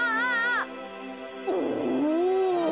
お。